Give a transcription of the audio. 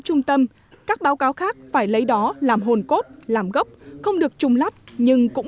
trung tâm các báo cáo khác phải lấy đó làm hồn cốt làm gốc không được trung lắp nhưng cũng